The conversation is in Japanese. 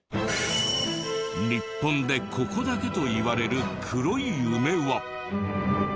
日本でここだけといわれる黒い梅は。